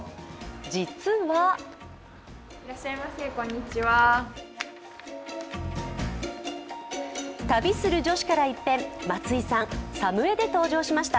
実は旅する女子から一変、松井さん、作務衣で登場しました。